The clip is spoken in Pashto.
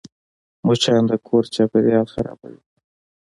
مچان د کور چاپېریال خرابوي